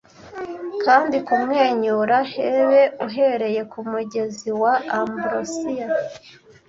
Kandi kumwenyura Hebe, uhereye kumugezi wa ambrosial,